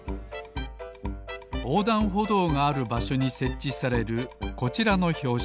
おうだんほどうがあるばしょにせっちされるこちらのひょうしき。